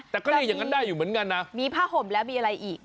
แต่ก็เรียกอย่างนั้นได้อยู่เหมือนกันนะมีผ้าห่มแล้วมีอะไรอีก